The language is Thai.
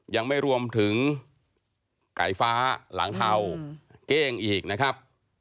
ยังไม่รวมถึงไก่ฟ้าหลังเทาเก้งอีกนะครับ